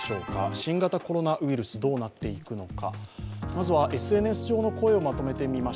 新型コロナウイルスどうなっていくのか。